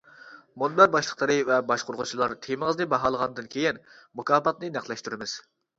مۇنبەر باشلىقلىرى ۋە باشقۇرغۇچىلار تېمىڭىزنى باھالىغاندىن كېيىن، مۇكاپاتنى نەقلەشتۈرىمىز.